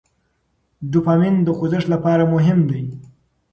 ډوپامین د خوځښت لپاره مهم دی.